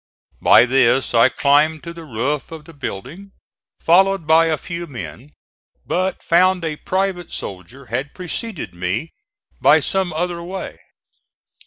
By this I climbed to the roof of the building, followed by a few men, but found a private soldier had preceded me by some other way.